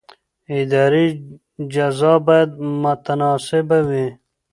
اداري جزا باید متناسبه وي.